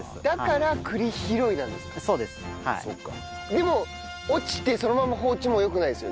でも落ちてそのまま放置も良くないですよね？